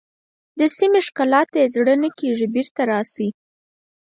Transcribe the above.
د سیمې ښکلا ته یې زړه نه کېږي بېرته راشئ.